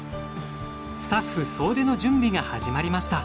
スタッフ総出の準備が始まりました。